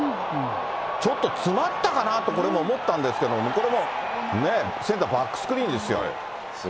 ちょっと詰まったかなと、これも思ったんですけども、これも、ね、センターバックスクリーンですよ。